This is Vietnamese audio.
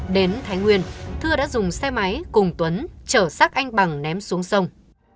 đến thái nguyên thưa đã dùng xe máy cùng tuấn trở xác anh bằng ném xuống sông